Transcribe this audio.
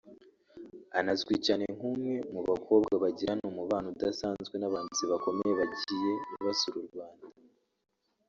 Anazwi cyane nk’umwe mu bakobwa bagirana umubano udasanzwe n’abahanzi bakomeye bagiye basura u Rwanda